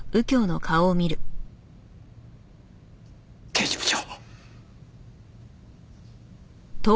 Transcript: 刑事部長！